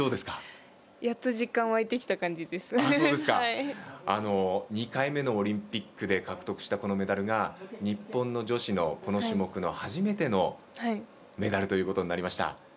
やっと実感２回目のオリンピックで獲得したこのメダルが日本の女子のこの種目の初めてのメダルということになりました。